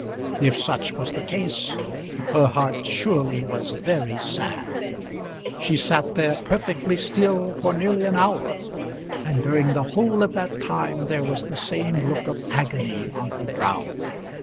If such was the case her heart surely was very sad. She sat there perfectly still for nearly an hour, and during the whole of that time there was the same look of agony on her brow.